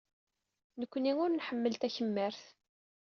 Nekkni ur nḥemmel takemmart.